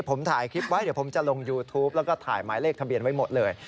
ผมถ่ายคลิปไว้เดี๋ยวผมจะลงยูทูปแล้วก็ถ่ายหมายเลขทะเบียนไว้หมดเลย